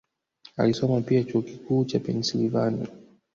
Alisoma pia Chuo Kikuu cha Pennsylvania